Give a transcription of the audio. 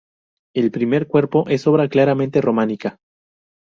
El primer cuerpo es obra claramente románica.